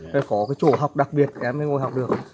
phải có cái chỗ học đặc biệt em mới ngồi học được